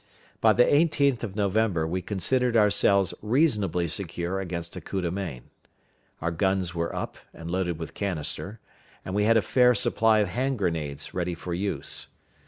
By the 18th of November we considered ourselves reasonably secure against a coup de main. Our guns were up, and loaded with canister, and we had a fair supply of hand grenades ready for use.